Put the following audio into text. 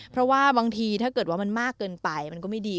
เพราะว่าบางทีถ้าเกิดว่ามันมากเกินไปมันก็ไม่ดี